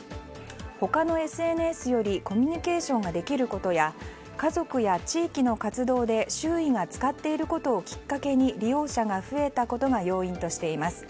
他のＳＮＳよりコミュニケーションができることや家族や地域の活動で周囲が使っていることをきっかけに利用者が増えたことが要因としています。